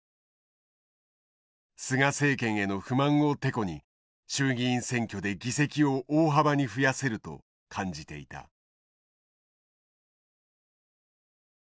菅政権への不満をテコに衆議院選挙で議席を大幅に増やせると感じていた。